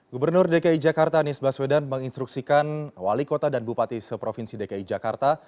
gubernur dki jakarta anies baswedan menginstruksikan wali kota dan bupati seprovinsi dki jakarta